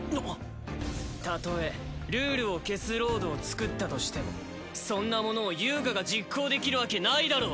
たとえルールを消すロードを作ったとしてもそんなものを遊我が実行できるわけないだろう。